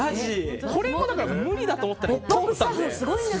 これも無理だと思ったら通ったので。